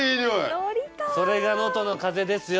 それが能登の風ですよ。